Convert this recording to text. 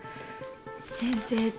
先生